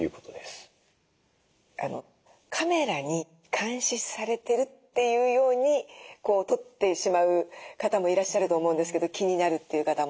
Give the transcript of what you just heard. カメラに監視されてるっていうようにとってしまう方もいらっしゃると思うんですけど気になるっていう方も。